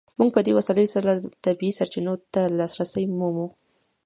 موږ په دې وسایلو سره طبیعي سرچینو ته لاسرسی مومو.